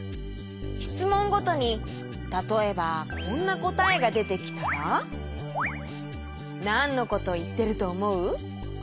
しつもんごとにたとえばこんなこたえがでてきたらなんのこといってるとおもう？